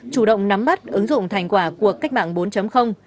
chủ động nắm bắt ứng dụng thành quả của cách mạng bốn